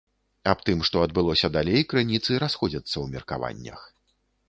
Аб тым, што адбылося далей крыніцы расходзяцца ў меркаваннях.